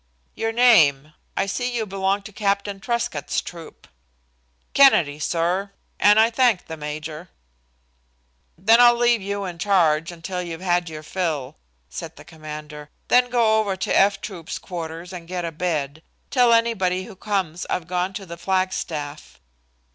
"Your name I see you belong to Captain Truscott's troop." "Kennedy, sir; and I thank the major." "Then I'll leave you in charge until you've had your fill," said the commander. "Then go over to 'F' Troop's quarters and get a bed. Tell anybody who comes I've gone to the flagstaff."